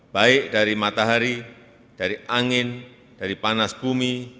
baik dari matahari dari angin dari panas bumi